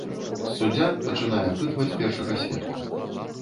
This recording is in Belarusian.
Суддзя пачынае апытваць першага сведку.